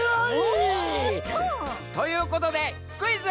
おっと！ということで「クイズ！